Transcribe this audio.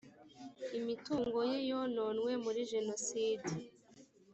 imitungo ye yononwe muri jenoside